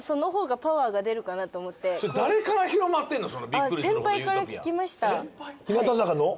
あっ先輩から聞きました。